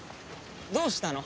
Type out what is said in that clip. どうしたの？